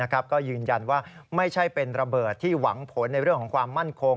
ก็ยืนยันว่าไม่ใช่เป็นระเบิดที่หวังผลในเรื่องของความมั่นคง